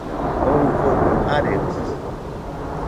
O ɨfogɨ aretɨaɨ